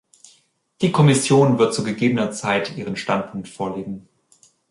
Die Kommission wird zu gegebener Zeit ihren Standpunkt vorlegen.